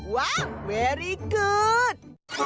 ว้าวเวรี่กูด